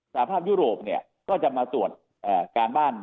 สภาพยุโรปเนี่ยก็จะมาตรวจการบ้าน